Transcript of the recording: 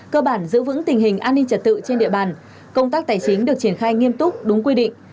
cơ bản giữ vững tình hình an ninh trật tự trên địa bàn công tác tài chính được triển khai nghiêm túc đúng quy định